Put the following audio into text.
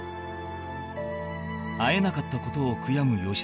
会えなかった事を悔やむ良純